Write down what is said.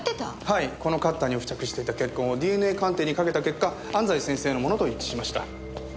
はいこのカッターに付着してた血痕をＤＮＡ鑑定にかけた結果安西先生のものと一致しました。